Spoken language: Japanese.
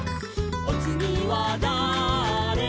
「おつぎはだあれ？」